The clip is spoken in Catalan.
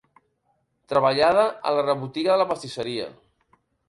Treballada a la rebotiga de la pastisseria.